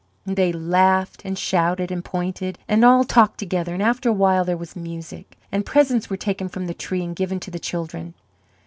They laughed and shouted and pointed, and all talked together, and after a while there was music, and presents were taken from the tree and given to the children.